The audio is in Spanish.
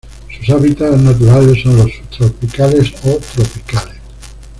Sus hábitats naturales son los subtropicales o tropicales.